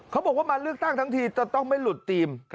เขาบอกว่ามาเลือกตั้งทั้งทีจะต้องไม่หลุดทีม